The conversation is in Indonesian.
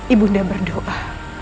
ibu undang berdoa